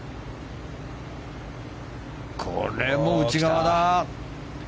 これも内側だ。